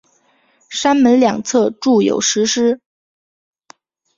山门两侧筑有石狮。